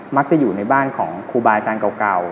อยู่ในบ้านของครูบาอาจารย์เก่า